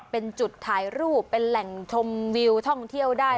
เป็นจุดถ่ายรูปเป็นแหล่งชมวิวท่องเที่ยวได้